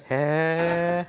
へえ。